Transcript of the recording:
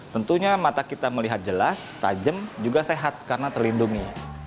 tentunya mata kita melihat jelas tajam juga sehat karena terlindungi